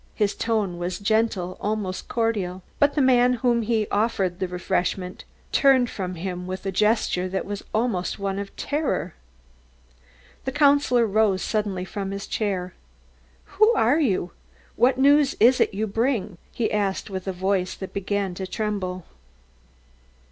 His tone was gentle, almost cordial, but the man to whom he offered the refreshment turned from him with a gesture that was almost one of terror. The Councillor rose suddenly from his chair. "Who are you? What news is it you bring?" he asked with a voice that began to tremble.